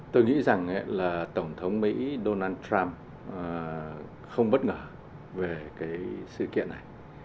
tôi nghĩ rằng là tổng thống mỹ donald trump không bất ngờ về cái sự kiện này